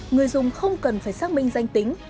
người dùng không cần phải xác minh danh tính